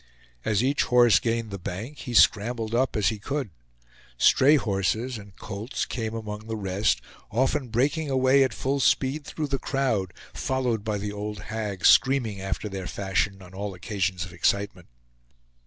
As each horse gained the bank, he scrambled up as he could. Stray horses and colts came among the rest, often breaking away at full speed through the crowd, followed by the old hags, screaming after their fashion on all occasions of excitement.